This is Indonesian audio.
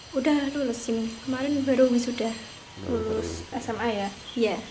sudah lulus ini kemarin baru wisuda lulus sma ya